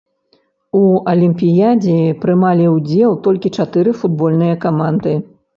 У алімпіядзе прымалі ўдзел толькі чатыры футбольныя каманды.